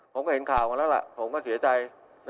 ผมก็เห็นข่าวมาแล้วล่ะผมก็เสียใจ